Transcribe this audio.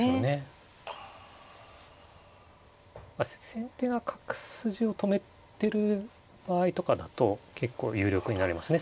先手が角筋を止めてる場合とかだと結構有力になりますね